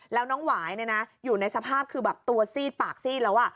แล้วน้องหวายอยู่ในสภาพคือแบบตัวซีดปากซีดแล้ว